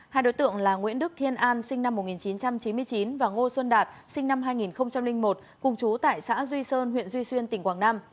hai đối tượng là nguyễn đức thiên an sinh năm một nghìn chín trăm chín mươi chín và ngô xuân đạt sinh năm hai nghìn một cùng chú tại xã duy sơn huyện duy xuyên tỉnh quảng nam